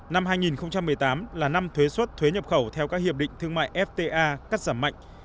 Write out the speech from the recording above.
năm hai nghìn một mươi tám là năm thuế xuất thuế nhập khẩu theo các hiệp định thương mại fta cắt giảm mạnh